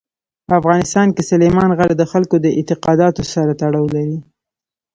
په افغانستان کې سلیمان غر د خلکو د اعتقاداتو سره تړاو لري.